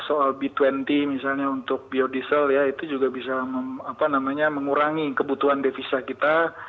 soal b dua puluh misalnya untuk biodiesel ya itu juga bisa mengurangi kebutuhan devisa kita